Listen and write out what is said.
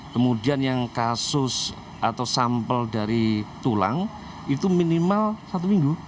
kemudian yang kasus atau sampel dari tulang itu minimal satu minggu